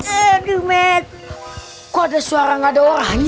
ada suara nggak ada orang